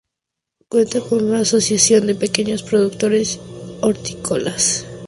Cuenta con una asociación de pequeños productores hortícolas.